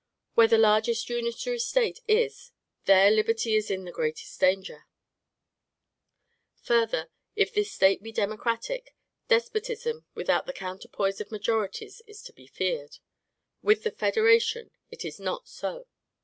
Where the largest unitary State is, there liberty is in the greatest danger; further, if this State be democratic, despotism without the counterpoise of majorities is to be feared. With the federation, it is not so.